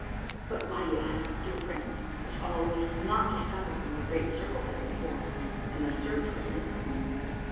But why, you ask, dear friends, was all this not discovered when the Great Circle had been formed, and the search was made for him